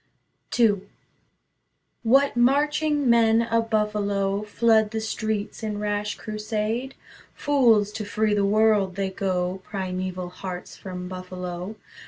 II What marching men of Buffalo Flood the streets in rash crusade? Fools to free the world, they go, Primeval hearts from Buffalo.